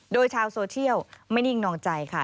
โดยชาวโซเชียลไม่นิ่งนอนใจค่ะ